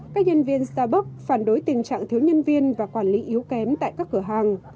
các nhân viên startbok phản đối tình trạng thiếu nhân viên và quản lý yếu kém tại các cửa hàng